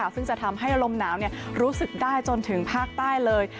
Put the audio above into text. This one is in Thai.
ซึ่งจะทำให้ลมหนาวรู้สึกได้จนถึงภาคใต้เลย